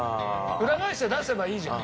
裏返して出せばいいじゃん。